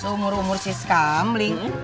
semuruh muruh sesi sambling